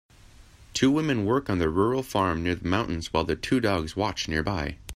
Two women work on their rural farm near the mountains while their two dogs watch nearby.